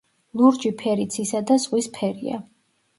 ლურჯი ფერი ცისა და ზღვის ფერია.